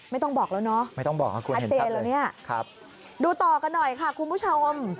ไม่ต้องบอกแล้วเนอะควรเห็นชัดเลยดูต่อกันหน่อยค่ะคุณผู้ชม